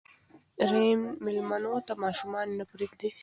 رحیم مېلمنو ته ماشومان نه پرېږدي.